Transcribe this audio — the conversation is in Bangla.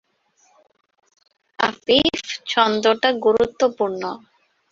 আফিফ: ছন্দটা গুরুত্বপূর্ণ।